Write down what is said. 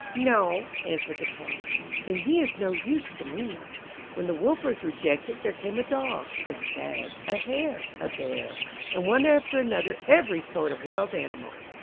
'No,' answered the Cat. 'Then he is no use to me.' When the Wolf was rejected, there came a Dog, a Stag, a Hare, a Bear, and one after another every sort of wild animal.